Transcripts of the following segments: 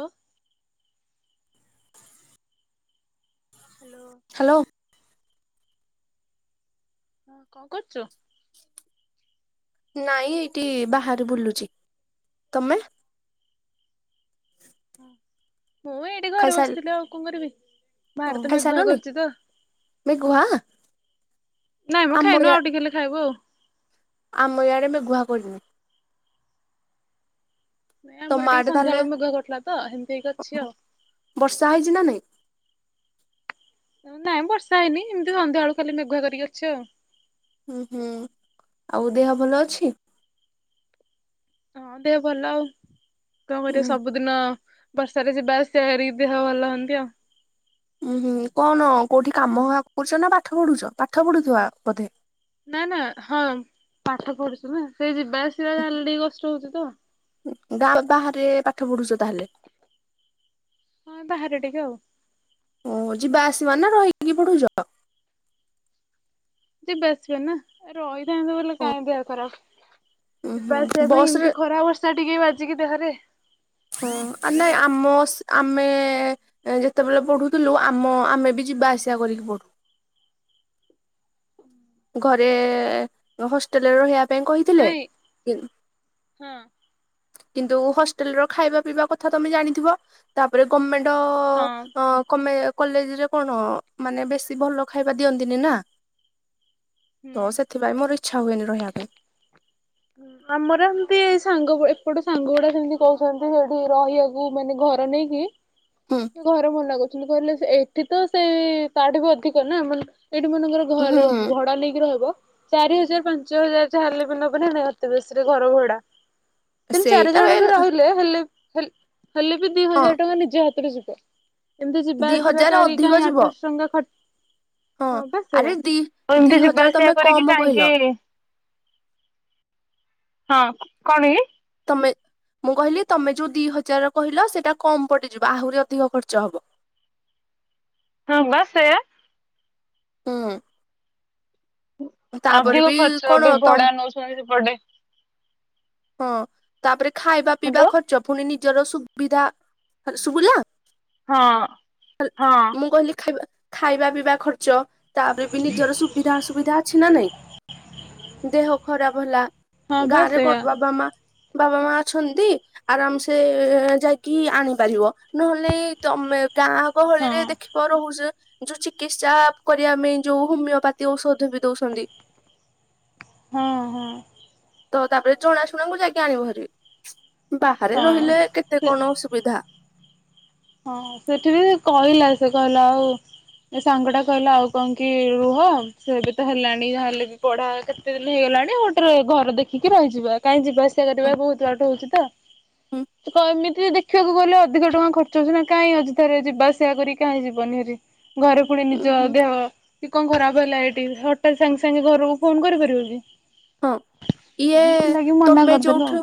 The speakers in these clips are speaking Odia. ଓ। [inaudible] ହ୍ୟାଲୋ। ହ୍ୟାଲୋ ହଁ କଣ କରୁଚୁ? ନାଇଁ ଏଇଠି ବାହାରେ ବୁଲୁଚି। ତମେ? ମୁଁ ଏଇଠି ଘରେ ବସିଥିଲି, ଆଉ କଣ କରିବି। ଓ ବାହାରେ ତ ଖାଇ ମେଘୁଆ ସାରିଲୁଣି? କରୁଛି ତ। ମେଘୁଆ ନାଇଁ ମ ଆମ ଖାଇନୁ ୟା ଆଉ ଟିକେ ହେଲେ ଖାଇବୁ ଆଉ। ଆମ ଇଆଡ଼େ ମେଘୁଆ କରିନି। ନାଇଁ ତମ ଆମର ଟିକେ ଆଡେ ତାହେଲେ ସନ୍ଧ୍ୟାବେଳକୁ ମେଘୁଆ କରିଥିଲା ତ ଏମିତି ହେଇକି ଅଛି ଆଉ। ବର୍ଷା ହେଇଛି ନା ନାଇଁ? ନାଇଁ ବର୍ଷା ହେଇନି, ଏମିତି ସନ୍ଧ୍ୟାବେଳୁ ଖାଲି ମେଘୁଆ କରିକି ଅଛି ଆଉ। ହୁଁ ହୁଁ ଆଉ ଦେହ ଭଲ ଅଛି? ହଁ ଦେହ ଭଲ ଆଉ, କଣ କରିବା ହୁଁ ସବୁଦିନ ବର୍ଷାରେ ଯିବା ଆସିବା ହେରି, ଦେହ ଭଲ ହେନ୍ତି ଆଉ। ଉଁ ହୁଁ କଣ, କୋଉଠି କାମ କରୁଛ ନା ପାଠ ପଢୁଛ? ପାଠ ପଢୁଥିବା ବୋଧେ! ନା ନା ହଁ ପାଠ ପଢୁଛୁ ନା, ସେ ଯିବା ଆସିବା ଖାଲି ଟିକେ କଷ୍ଟ ହଉଛି ତ। ଗାଁ ର ବାହାରେ ପାଠ ପଢୁଛ ତାହେଲେ। ତି ଆଉ। ଓହ ଯିବା ଆସିବା ନା ରହିକି ପଢୁଛ? ଯିବା ଆସିବା ନା ରହିକି [unintelligible] କାହିଁକି ଦେହ ଖରାପ, ଉଁ ହୁଁ ଯିବା ଆସିବା ପାଇଁ ବସ ରେ ଏମିତି ଖରା ବର୍ଷା ଟିକେ ବା ବାଯିକି ଦେହରେ ହଁ ଆ ନାଇଁ ଆମ, ଆମେ ଯେତେବେଳେ ପଢୁଥିଲୁ, ଆମ ଆମେ ବି ଯିବା ଆସିବା କରିକି ପଢୁ। [inaudible] ଘରେ ହଷ୍ଟେଲରେ ରହିବା ପାଇଁ କହିଥିଲେ ନାଇଁ କିନ୍ ହଁ କିନ୍ତୁ ହଷ୍ଟେଲର ଖାଇବା ପିଇବା କଥା ତମେ ଜାଣିଥିବ ତାପରେ ଗମେଣ୍ଟ୍ ର ହଁ ଅ-କମେ କଲେଜରେ କଣ ମାନେ ବେଶୀ ଭଲ ଖାଇବା ଦିଅନ୍ତିନି ନା। ହୁଁ। ତ ସେଥିପାଇଁ ମୋର ଇଚ୍ଛା ହୁଏନି ରହିବା ପାଇଁ। ହୁଁ ଆମର ଏମତି ଏ ସାଙ୍ଗଗୁ-ଏପଟ ସାଙ୍ଗଗୁଡା ସେମତି କୋହୁଛନ୍ତି ସେଇଠି ରହିବାକୁ ମାନେ ଘ ଘର ନେଇକି ହୁଁ ଯେ ଘରେ ମନା ମନା କରୁଥୁଲେ କହିଲେ ସେ ଏଠି ତ ସେଇ ତାଠୁ ବି ଅଧିକ ନା ମାନେ ଏଇଠି ମନେକର ହୁଁ ଘର ଭଡା ନେଇକି ରହିବ ଚାରି ହଜାର ପାଞ୍ଚ ହଜାର ଯାହାହେଲେ ବି ନେ ବେ ନା ନାଇ ଅତି ବେଶରେ ଘରଭଡା ତିନିଚାରି ସେଇଟା ଜଣ ବି ହଁ ରହିଲେ ହେଲେ ହେଲ୍ ହେଲେ ବି ଦିହଜାର ଟଙ୍କା ନିଜେ ହାତରୁ ଯିବ। ଏମତି ଯିବା ଦି ଆସିବା ହଜାର କାହାରିକି ଅଧିକ କାଇଁ ଯିବ ଆଠଶହ ଟଙ୍କା ଖର୍ ହଁ ପା ଆରେ ସେଇୟା ଦି ଦି ଏମତି ଯିବା ହଜାର ଆସିବା ତମେ କରିକି କମ କହିଲ କାହିଁକି ହଁ କଣ କି? ବେ ମୁଁ କହିଲି ତମେ ଯୋଉ ଦିହଜାର କହିଲ ସେଇଟା କମ ପଡିଯିବ ଆହୁରି ଅଧିକ ଖର୍ଚ୍ଚ ହବ। ହଁ ପା ସେଇୟା। ହଁ। ତାପରେ ଅଧିକ ବି ଖର୍ଚ୍ଚ କଣ ଏବେ ତମ ଭଡା ନଉଛନ୍ତି ସେପଟେ ହଁ ତାପରେ ଖାଇବା ପିଇବା ହ୍ୟାଲୋ ଖର୍ଚ୍ଚ ପୁଣି ନିଜର ସୁବିଧା ହାଲ-ଶୁବିଲା? ହଁ। ହଁ। ମୁଁ କହିଲି ଖାଇବା ଖାଇବା ପିଇବା ଖର୍ ଚ ତାପରେ ବି ନିଜର ସୁବିଧା ଅସୁବିଧା ଅଛି ନା ନାଇଁ। ଦେହ ଖରାପ ହେଲା ହଁ ବା ଗାଁରେ କଣ ସେଇଆ ବାବାମାଆ ବାବାମାଆ ଅଛନ୍ତି ଆରାମସେ ଯାଇକି ଆଣିପାରିବ ନହେଲେ ନାଇଁ ତମେ ଗାଁ ହଁ ଗହଳିରେ ଦେଖିବ ରହୁଚେ ଯୋଉ ଚିକିତ୍ସା କରିବା ପାଇଁ ଯୋଉ ହୋମିଓପାଥି ଔଷଧ ବି ଦୋଉଛନ୍ତି। ହଁ ହୁଁ। ତ ତାପରେ ଜଣାଶୁଣାଙ୍କୁ ଯାଇକି ଆଣିବ ଭାରି। ବାହାରେ ହଁ। ରହିଲେ କେତେ ସେ କଣ ଅସୁବିଧା। ହଁ ସେଠି ବି କହିଲା ସେ କହିଲା ଆଉ ଏ ସାଙ୍ଗଟା କହିଲା ଆଉ କଣ କି ରୁହ ସେ ବି ତ ହେଲାଣି ଯାହେଲେ ବି ପଢା କେତେ ଦିନି ହେଇଗଲା ଲାଣି ଆଉ ଗୋଟେ ଘର ଦେଖିକି ରହିଯିବା କାଇଁ ଯିବା ଆସି ସିବା ହୁଁ କରିବା ବୋହୁତ ବାଟ ହୋଉଛି ତ ହୁଁ ତୁ କ ଏମିତିରେ ଦେଖିବାକୁ ଗଲେ ଅଧିକ ଟଙ୍କା ଖର୍ ର୍ଚ୍ଚ ହୋଉଚି ତ କାଇଁ ଅଯଥାରେ ଯିବା ଆସିବା କରିକି କାଇଁ ଯିବନି ଭାରି ଘରେ ପୁଣି ହୁଁ ନିଜ ହୁଁ ଦେହ କି କଣ ଖରାପ ହେଲା ଏଇଟି ହଠାତ୍ ସାଙ୍ଗେ ସାଙ୍ଗେ ଘରକୁ ଫୋନ କରିପାରିବ କି। ହଁ ଇଏ ସେଥିଲାଗି ମନା ତମେ କରିଦେଲୁ ଆଉ। ଯୋଉଠୁ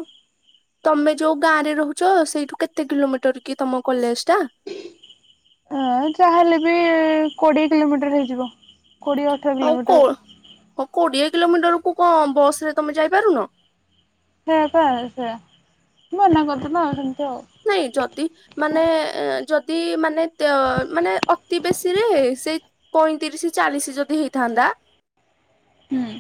ତମେ ଯୋଉ ଗାଁରେ ରହୁ ଚ ସେଇଠୁ କେତେ କିଲୋମିଟର୍ କି ତମ କଲେଜ। ଟା? ଅଁ ଯାହେଲେ ବି କୋଡିଏ କିଲୋମିଟର ହେଇଯିବ। କୋଡ଼ିଏ ଅଠର ଆଉ କିଲୋମିଟର କୋ-ହୋଉ କୋଡିଏ କିଲୋମିଟର କୁ କୁ ବସରେ ତମେ ଯାଇପାରୁନ? ସେଇୟା ପା ସେଇୟା ନା ନା [unintelligible] ନାଇଁ ଯଦି ମାନେ ଏ-ଯଦି ମାନେ ତ୍ୟ ମାନେ ଅତି ବେଶୀରେ ସେଇ ପଇଁତିରିଶି ଚାଳିଶି ଯଦି ହେଇଥାନ୍ତା ହୁଁ।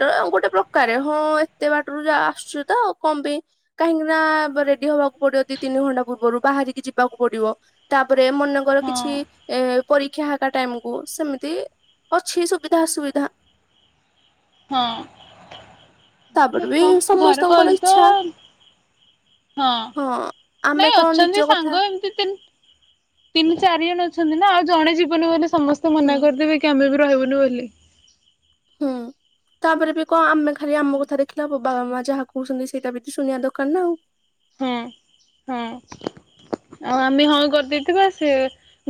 ତ ଗୋଟେ ପ୍ରକାରେ ହଁ ଏତେ ବାଟରୁ ଯା-ଆସୁଚି ତ କଣ ପାଇଁ କାହିଁକିନା ବ୍-ରେଡି ହବା ପଡିବ ଦି ତିନି ଘଣ୍ଟା ପୂର୍ବରୁ ବାହାରିକି ଯିବାକୁ ପଡିବ ତାପରେ ମନେକର ହଁ କିଛି ଏ ପରୀକ୍ଷା ହେଟା ଟାଇମକୁୁ ସେମିତି ଅଛି ସୁବିଧା ଅସୁବିଧା। ହଁ ମୁଁ ତାପରେ ବି କଁ ଘରେ ସମସ୍ତଙ୍କର କହିଲି ତ ଇଚ୍ଛା ହଁ ହଁ [inaudible] ଆମେ ନାଇଁ କଣ ନିଜ ଅଛନ୍ତି କଥା ସାଙ୍ଗ ଏମିତି ତିନ ତିନି ଚାରି ଜଣ ଅଛନ୍ତି। ନା ଆଉ ଜଣେ ଜୀବନୀ ମାନେ ସମସ୍ତେ ହୁଁ ମନା କରିଦେବେ କି ଆମେ ବି ରହିବନି ବୋଲିି। ହୁଁ ତାପରେ ବି କଣ ଆମେ ଖାଲି ଆମ କଥା ଦେଖିଲ ବାବା ମା? ଯାହା କହୁଛନ୍ତି ସେଇଟା ବି ଶୁଣିବା ଦରକାର ନା ଆଉ। ହଁ ହଁ। [inaudible] ଆଉ ଆମେ ହଁ କରିଦେଇଥିବା। ସେ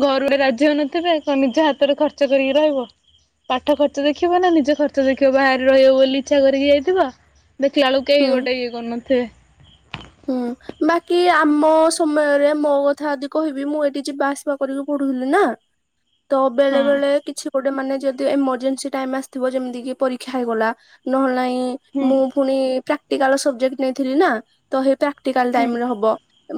ଘରୁ କେହି ରାଜି ହେଉନଥିବେ ନିଜ ହାତରୁ ଖର୍ଚ୍ଚ କରି ନାଁ କଣ ପାଠ ଖର୍ଚ ଦେଖିବ ନା ନିଜ ଖର୍ଚ୍ଚ ଦେଖିବ। ବାହାରେ ରହିବ ବୋଲି ଇଛା କରିକି ଯାଇଥିବ ଦେଖିଲା ବେଳୁ କେହି ହୁଁ ଗୋଟେ ଇଏ କରୁନଥିବେ। ହୁଁ ବାକି ଆମ ସମୟରେ ମୋ କଥା ଯଦି କହିବି ମୁଁ ଏଠି ଯିବା ଆସିବା କରିକି ପଡୁଥିଲି ନା। [inaudible] ତ ବେଳେ ହଁ ବେଳେ କିଛି ଏ ମାନେ ଯଦି ଏମଜେନ୍ସି ଟାଇମ ଆସିଥିବ ଯେମିତି ପରୀକ୍ଷା ହେଇଗଲା ନହେଲେ ନାହିଁ ହୁଁ ମୁଁ ପୁଣି ପ୍ରାକ୍ଟିକାଲ ସବଜେକ୍ଟ ନେଇଥିଲି ନା ତା ହେଇ ପ୍ରାକ୍ଟିକାଲ ହୁଁ। ଟାଇମ୍ ରେ ହବ।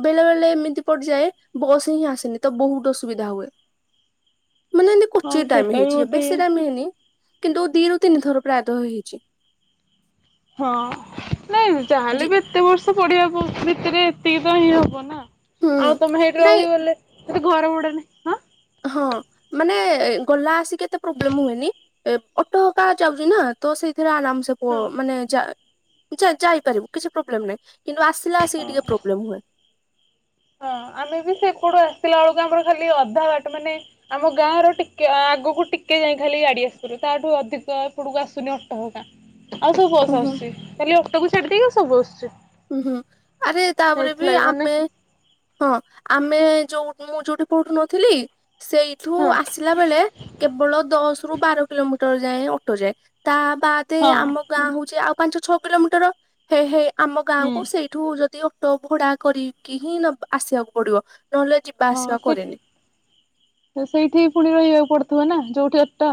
ବେଳେ ବେଳେ ଏମିତି ପଡିଯାଏ ବସ୍ ହିଁ ଆସେନି ତ ବହୁତ ଅସୁବିଧା ହୁଏ। [inaudible] ମାନେ ଏମିତି ହଁ କୁସ୍ଚିତ ଟାଇମ ସେଟା ବି ହେଇଛି। ଗୋଟେ ଏବେ ଇଏ। ସେ ଟାଇମ୍ ହେଇନି। କିନ୍ତୁ ଦିରୁ ତିନି ଥର ପ୍ରାୟତଃ ହେଇଛି। ହଁ ନାଇଁ ଯାହାହେଲେ ଯେ ବି ଏତେ ବର୍ଷ ପଢିବା ଭିତରେ ଏତିକି ତ ହିଁ ହବ ନା ହୁଁ ଆଉ ତମେ ସେଇଠି ନାଇଁ ରହିଗଲେ ଘର ଭଡ଼ା ନେ ହାଁ ହଁ ମାନେ ଗଲା ଆସିକି କେତେ ପ୍ରୋବ୍ଲେମ ହୁଏନି। ଏ ଅଟୋକା ଯାଉଛି ନା ତ ସେ ଏଥିରେ ଆରାମ ସେ କୁହ ହଁ ମାନେ ଯାଇ ଯାଇପାରିବୁ କିଛି ପ୍ରୋବ୍ଲେମ ନାହିଁ। କିନ୍ତୁ ଆସିଲେ ଆସିକି ହଁ ଟିକେ ପ୍ରୋବ୍ଲେମ୍ ହୁଏ। ହଁ ଆମେ ବି ସେପଟୁ ଆସିଲା ବେଳକୁ ଆମର ଖାଲି ଅଧା ବାଟ ମାନେ ଆମ ଗାଁର ଟିକେ ଆଁ ଆଗକୁ ଟିକେ ଯାଇ ଖାଲି ଗାଡି ଆସିପରିବ ତାଠୁ ଅଧିକ ଏପଟକୁ ଆସୁନି ଅଟୋ ହେକା। ଆଉ ସବୁ ବସ ଓହୋ ଆସୁଛି। କାଲି ଅଟୋ କକୁ ଛାଡିଦେଇ ଆଉ ସବୁ ଆସୁଛି। ହୁଁ ହୁଁ ଆରେ ତାପରେ ବି ସେଇଥିଲାଗି ମାନେ ଆମେ ହଁ ଆମେ ଯୋଉ ମୁଁ ଯୋଉଠି ପଉଠୁ ନଥିଲି ସେଇଠୁ ହଁ ଆସିଲା ବେଳେ କେବଳ ଦଶ ରୁ ବାର କିଲୋମିଟର ଯାଏ ଅଟୋ ଯାଏ। ତା ବାଦେ ହଁ ଆମ ଗାଁ ହଉଛି ଆଉ ପାଞ୍ଚ ଛଅ କିଲୋମିଟର ହେଇ ହେଇ ଆମ ହୁଁ ଗାଁକୁ ସେଇଠୁ ଯଦି ଅଟୋ ଭଡା କରିକି ହିଁ ନବ ଆସିବାକୁ ପଡିବ। ନହେଲେ ଯିବା ହଁ ଆସିବା ସେ କରେନି। [inaudible] ସେଇଠିି ପୁଣି ରହିବାକୁ ପଡୁଥିବ ନା ଯୋଉ ଟା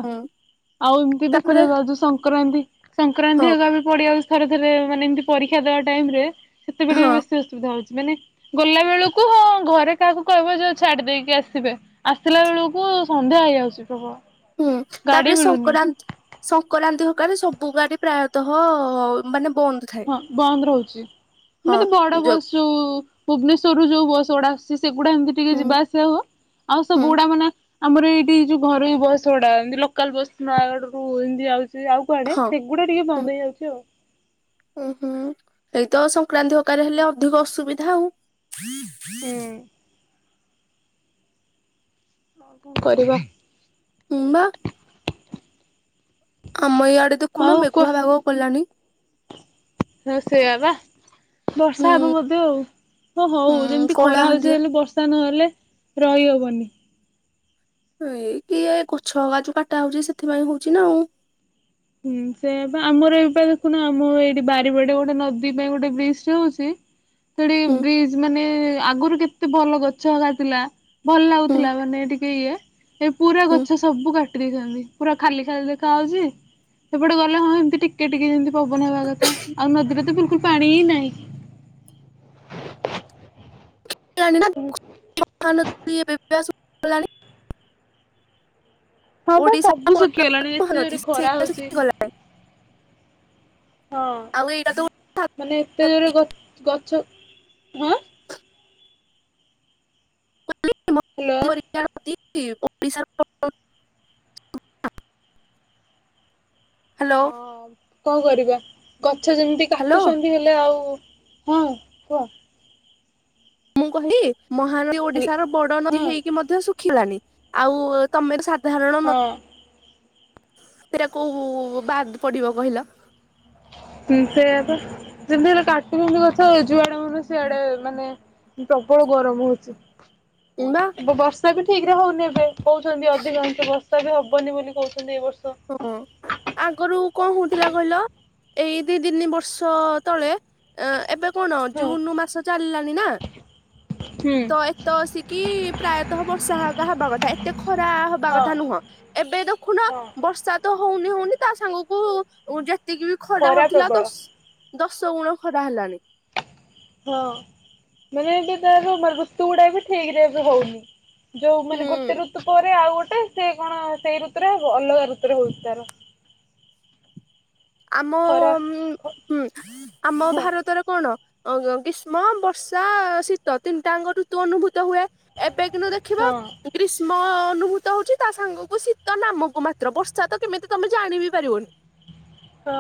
ଆଉ ଏମିତି ଦେଖୁଛ ଆ ତାପରେ ଯୋଉ ରଜ ସଂକ୍ରାନ୍ତି ହଁ ସଂକ୍ରାନ୍ତି ହେରୀକ ବି ପଡ଼ିଯାଉଛି। ଥରେ ଥରେ ମାନେ ଏମିତି ପରୀକ୍ଷା ଦେବା ଟାଇମ ରେ ସେତେବେଳେ ହଁ ବି ବେଶୀ ଅସୁବିଧା ହଉଛି। ମାନେ ଗଲା ବେଳକୁ ହଁ ଘରେ କାହାକୁ କହିବ ଯ ଛାଡି ଦେଇକି ଆସିବେ। ଆସିଲା ବେଳକୁ ସନ୍ଧ୍ୟା ହେଇଯାଉଛି ପ୍ରବଳ। ହୁଁ ଗାଡି ତାପରେ ମିଳୁନି ସଂକ୍ରାନ୍ତି ସଂକ୍ରନ୍ତି ଗାଦେ ସବୁ ଗାଡି ପ୍ରାୟତଃ ମାନେ ବନ୍ଦ ଥାଏ ହଁ ବନ୍ଦ ରହୁଛି। [inaudible] ହଁ ଏମିତି ବଡ଼ ଯୋ ବସ ଯଉ ଭୁବନେଶ୍ଵରରୁ ଯୋଉ ବସ ଗୁଡା ଆସଛି ସେଗୁଡା ଏମିତି ଟିକେ ଯିବା ହୁଁ। ଆସିବା ହ ଆଉ ହୁଁ ସବୁଗୁଡା ମାନେ ଆମର ଏଇଠି ଏଇ ଯୋଉ ଘରୋଇ ବସ୍ ଗୁଡା ଲୋକାଲ ବସ୍ ନୂୟାଗଡରୁ ଏମିତି ଆଉଜି। ଆଉ କୁଆଡେ ହଁ। ସେଗୁଡା ଟିକେ ବନ୍ଦ ହେଇଯାଉଛି ଆଉ ଓହୋ। ଏଇତ ସଂକ୍ରାନ୍ତି ହେରେକାରେ ହେଲେ ଅଧିକ ଅସୁବିଧା ଆଉ [inaudible] ହୁଁ। କରିବା। ହୁଁ ବା ଆମ ଏଇଆଡେ ଦେଖୁନ ଆଉ ମେଘୁଆ ପାଗ କଲାଣି। ହଁ ସେଆ ପା ବର୍ଷା ହୁଁ ହେବ ମଧ୍ୟ ଆଉ ହ ହଉ ହୁଁ ଯେମିତି ଖରା ହଉଛି କଳାହାଣ୍ଡିଆ ହେଲେ ବର୍ଷା ନହେଲେ ରହିହବନି। ଏଇ କିଏ ଗଛହେଙ୍କା ଯୋଉ କାଟା ହଉଛି ସେଥିପାଇଁ ହଉଛି ନା ଆଉ। ହୁଁ ସେ ବା ଆମର ଏଇ ପା ଦେଖୁନ ଆମ ଏଇଠି ବାରି ବାଡ ଗୋଟେ ନଦୀ ପାଇଁ ଗୋଟେ ବ୍ରିଜ ହଉଛି। ସେଠି ହୁଁ ବ୍ରିଜ ମାନେ ଆଗରୁ କେତେ ଭଲ ଗଛ ହେଙ୍କା ଥିଲା। ଭଲ ହୁଁ ଲାଗୁଥିଲା ମାନେ ଟିକେ ଇଏ ଏ ପୁରା ହୁଁ। ଗଛ ସବୁ କାଟି ଦେଇଛନ୍ତି। ପୁରା ଖାଲି ଖାଲି ଦେଖାହଉଛି ସେପଟେ ଗଲେ ହଁ ଏମତି ଟିକେ ଟିକେ ଏମତି ପବନ ହେବା କଥା ଆଉ ନଦୀରେ ତ ବିଲକୁଲ ପାଣି ହି ନାହିଁ। [unintelligible] ହଁ ବା ଓଡିଶା ସବୁ ବଡ ଶୁଖିଗଲାଣି ଏତେ ଜୋର ମହାନଦୀ ରେ ଖରା ସେଇଟା ହଉଛି। ଶୁଖିଗଲାଣି ହଁ ଆଉ ଏଇଟା ତ ମାନେ ଏତେ ଜୋରେ ଗଛ ହଁ। ହ୍ୟାଲୋ। ଓଡ଼ିଶା। [unintelligible] ହଁ କଣ କରିବା ଗଛ ଯେମିତି ହାଲୋ କାଟୁଛନ୍ତି ହେଲେ ଆଉ ହଁ କୁହ? ମୁଁ କହିଲି ମହାନଦୀ ହ୍ୟାଲୋ ଓଡିଶାର ବଡ ନଦୀ ହଁ ହେଇକି ମଧ୍ୟ ସୁଖ୍ ଖିଲାଣି ଆଉ ତମର ହଁ। ସେଟା କୋଉ ବାଦ୍ ପଡିବ କହିଲ? ହଁ ସେୟା ପା ଯେମିତି ହେଲେ କାଟୁଛନ୍ତି ଗଛ ଯୁଆଡେ ମାନେ ସିଆଡେ ମାନେ ପ୍ରବଳ ଗରମ ହଉଛି। ବା ବର୍ଷା ବି ଠିକ ରେ ହଉନି ଏବେ କହୁଛନ୍ତି ଅଧିକାଂଶ ବର୍ଷା ହବନି ବୋଲି କହୁଛନ୍ତି ଏ ବର୍ଷ। ହଁ ଆଗରୁ କଣ ହଉଥିଲା କହିଲ? ଏଇ ଦି ତିନି ବର୍ଷ ତଳେ ଏ ଏବେ କଣ ହଁ ଜୁନ ମାସ ଚାଲିଲଣି ନା। ହୁଁ। ତ ଏତ ଆସିକି ପ୍ରାୟତଃ ବର୍ଷା ହବା କଥା ଏତେ ଖରା ହବା ହଁ କଥା ନୁହଁ, ଏବେ ଦେଖୁନ? ହଁ ସା ତ ହଉନି ହଉନି ତା ସାଙ୍ଗକୁ ଯେତିକି ବି ଖରା ହଉଥିଲା ଦସ୍ ଦଶ ଗୁଣ ଖରା ହେଲାଣି। ହଁ ମାନେ ଏବେ ତାର ମାନେ ଋତୁ ଗୁଡା ବି ଠିକ ରେ ଏବେ ହଉନି। ଯୋଉ ହୁଁ ମାନେ ଗୋଟେ ଋତୁ ପରେ ଆଉ ଗୋଟେ ମେ ସେ କଣ ସେଇ ଋତୁରେ ହବ ଅଲଗା ଋତୁରେ ହଉଛି ତାର। ଆମ ଖରା ଉନ୍ମ ହଁ ହୁଁ ଆମ ହଁ ଭାରତରେ କଣ? ଆଁ ଗ ଗ୍ରୀଷ୍ମ, ବର୍ଷା, ଶୀତ ତିନିଟା ଆଙ୍କ ଋତୁ ଅନୁଭୂତ ହୁଏ। ଏବେ କିନ୍ତୁ ଦେଖିବା ଗ୍ରୀଷ୍ମ ଅନୁହ ଶୀତ ହଉଛି ତା ସାଙ୍ଗକୁ ଶୀତ ନାମକୁ ମାତ୍ର ବର୍ଷା ତ କେମିତି ତମେ ଜାଣିବି ପାରିବନି। ହଁ।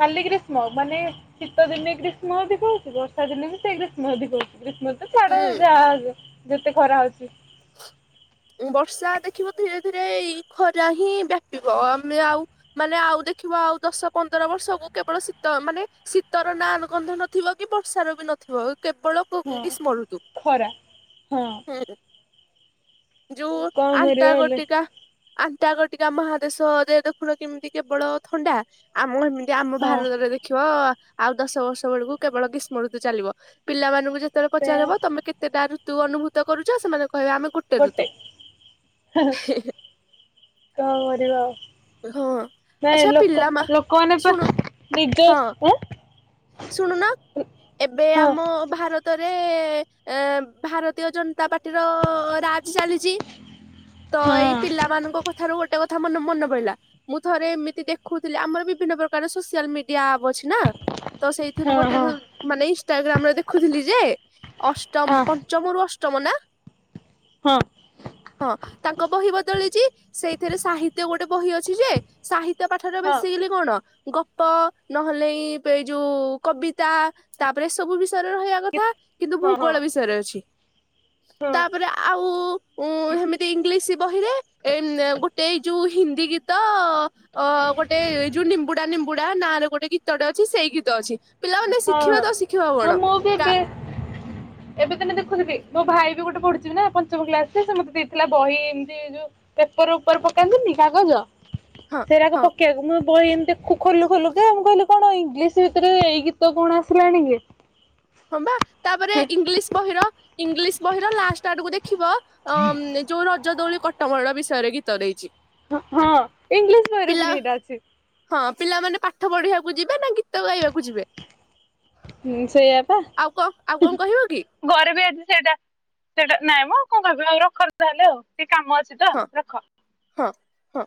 ଖାଲି ଗ୍ରୀଷ୍ମ ମାନେ ଶୀତ ଦିନେ ଗ୍ରୀଷ୍ମ ବି କହୁଛି ବର୍ଷା ଦିନେ ବି ସେ ଗ୍ରୀଷ୍ମ ବି କହୁଛି। ଗ୍ରୀଷ୍ମ ତ ଛାଡ ହୁଁ ଯାହା ହବ ଯେତେ ଖରା ହଉଛି। ବର୍ଷା ଦେଖିବ ଧୀରେ ଧୀରେ ଏଇ ଖରା ହିଁ ବ୍ୟାପିବ ଆମେ ଆଉ ମାନେ ଆଉ ଦେଖିବା ଆଉ ଦଶ ପନ୍ଦର ବର୍ଷକୁ କେବଳ ଶୀତ ମାନେ ଶୀତର ନା ଗନ୍ଧ ନଥିବ କି ବର୍ଷାର ବି। ନଥିବ କେବଳ ହଁ। ଗ୍ରୀଷ୍ମ ଋତୁ। ଖରା ହଁ ଯୋଉ କଣ କରିବା ହେଲେ ଅଣ୍ଟାର୍କଟିକା ଅଣ୍ଟାର୍କଟିକା ମହାଦେଶ ଦେ ଦେଖୁଣ କେମିତି କେବଳ ଥଣ୍ଡା ଆମ ଏମିତି ଆମ ହଁ ଭାରତରେ ଦେଖିବ ଆଉ ଦଶ ବର୍ଷ ବେଳକୁ କେବଳ ଗ୍ରୀଷ୍ମ ଋତୁ ଚାଲିବ ପିଲାମାନଙ୍କୁ ଯେତ୍ କେତେବେଳେ ପଚାର ସେୟା ହବ ତମେ କେତେଟା ଋତୁ ଅନୁଭୂତ କରୁଛ ସେମାନେ କହିବେ ଆମେ ଗୋଟେ ଋତୁ ହେଁ ହେଁ। କଣ କରିବା ଆଉ ହଁ ନାଇଁ ଆଚ୍ଛା ଲୋକ ପିଲା ମା ଲୋକମାନେ ପା ଶୁଣୁ ନିଜ ହଁ। ଆଁ ଶୁଣୁନ ଏବେ ହଁ ଆମ ଭାର ରତରେ ଏ ଭାରତୀୟ ଜନତା ପାର୍ଟି ର ରାଜ ଚାଲିଛି। ତ ଏଇ ହଁ ପିଲାମାନଙ୍କ କଥାରୁ ଗୋଟେ କ ଥା ମ ମନେ ପଡିଲା ମୁଁ ଥରେ ଏମିତି ଦେଖୁଥିଲି ଆମର ବିଭିନ୍ନ ପ୍ରକାର ସୋସିଆଲ ମିଡିଆ ଆ ଅଛି ନା ତ ସେଇଥିରୁ ହଁ ଗୋଟେ ହଁ ମାନେ ଇନଷ୍ଟାଗ୍ରାମ ରେ ଦେଖୁଥିଲି ଯେ ଅଷ୍ଟମ ହଁ ପଞ୍ଚମରୁ ଅଷ୍ଟ ଷ୍ଟମ ନା ହଁ ତାଙ୍କ ବହି ବଦଳିଚି ସେଇଥିରେ ସାହିତ୍ୟ ଗୋଟେ ବହି ଅଛି ଯେ ସାହିତ୍ୟ ପାଠରେ ହଁ ବେଶିକାଲି କଣ ଗପ ନହେଲେ ଏଇ ଯୋଉ କବିତା ତାପରେ ଏ ସବୁ ବି ଷୟରେ ରହିବା କଥା କିନ୍ତୁ ହଁ ଭୂଗୋଳ ବିଷୟରେ ଅଛି। ତାପରେ ଆଉ ସେମିତି ଇଂଲିଶ ବହିରେ ଏ ଗୋଟେଇ ଏଇ ଯୋଉ ହିନ୍ଦୀ ଗୀତ ଅ ଗୋଟେ ଯୋଉ ନିମ୍ବୁଡା ନିମ୍ବୁଡା ନାଁରେ ଗୋଟେ ଗୀତଟେ ଅଛି ସେଇ ଗୀତ ଅଛି। ପିଲାମାନେ ହଁ ଶିଖିବେ ତ ଶିଖିବା ହଁ କଣ ମୁଁ ବି ଏବେ ଏବେ ତ ି ମୋ ଭାଇ ବି ଗୋଟେ ପଢିିବି ନା ପଞ୍ଚମ କ୍ଲାସରେ ସେ ମତେ ଦେଇଥିଲା ବହି ଏମିତି ଯୋଉ ପେପର ଉପ ପନି କାଗଜ ହଁ ସେଟାକୁ ହଁ ପକେଇବାକୁ ମୁଁ ବହି ଏମିତି ଖୋଲୁ ଖୋଲୁ କି ମୁ କହିଲି କଣ ଇଂଲିଶ ଭିତରେ ଏଇ ଗୀତ କଣ ଆସିଲାଣି କି ହଁ ପା ତାପରେ ଇଂଲିଶ ବହିର ଇଂଲିଶ ବହିର ଲାଷ୍ଟ ଆଡୁକୁ ଦେ ଦେଖିବ ଯୋଉ ରଜ ଦୋଳି କଟମର ବିଷୟରେ ଗୀତ ଦେଇଛି ହଁ ଇଂଲିଶ ବାୟରେ ପିଲା ଫୁଣି ହେଇଟା ଅଛି। ହଁ ପିଲାମାନେ ପାଠ ପଢିବାକୁ ଯିବେ ନା ଗୀତ ଗାଇବାକୁ ଯିବେ ହୁଁ, ସେଇଆ ପା ଆଉ କଣ ଆଉ କଣ କହିବ କି ଘରେ ବି ଏଠି ସେଇଟା ସେଇଟା ନାଇଁ ମୁଁ କଣ କହିବି ଆଉ ରଖ ତାହେଲେ ଆଉ ଟିକେ କାମ ଅଛି ତ ହଁ ରଖ। ହଁ।